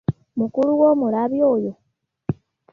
Mukulu wo omulabye oyo?